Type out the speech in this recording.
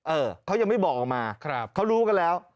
เออเขายังไม่บอกออกมาเขารู้กันแล้ว